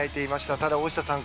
ただ、大下さん